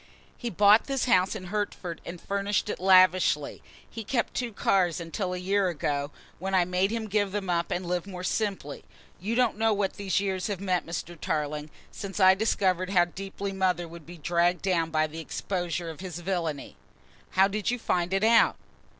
He bought this house at Hertford and furnished it lavishly, he kept two cars until a year ago, when I made him give them up and live more simply. You don't know what these years have meant, Mr. Tarling, since I discovered how deeply mother would be dragged down by the exposure of his villainy." "How did you find it out?"